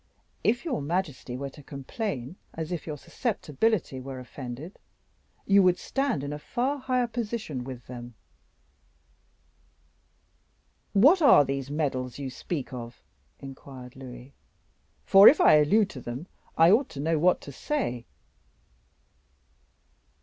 If your majesty were to complain as if your susceptibility were offended, you would stand in a far higher position with them." "What are these medals you speak of?" inquired Louis; "for if I allude to them, I ought to know what to say."